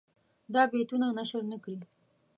دا بیتونه نشر نه کړي.